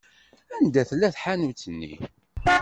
Anda tella tḥanut-nni?